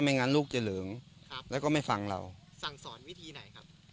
งั้นลูกจะเหลิงครับแล้วก็ไม่ฟังเราสั่งสอนวิธีไหนครับ